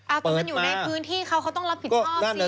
อะเพื่อมันอยู่ในพื้นที่เขาเขาต้องรับผิดโคราชสิ